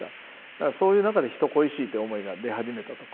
だからそういう中で人恋しいって思いが出始めたとか。